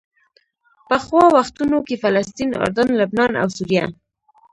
پخوا وختونو کې فلسطین، اردن، لبنان او سوریه.